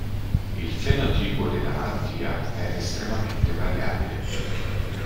Il fenotipo della malattia è estremamente variabile.